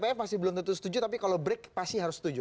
kalau tpf masih belum tentu setuju tapi kalau bric pasti harus setuju